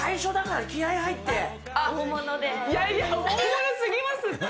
いやいや、大物すぎますって。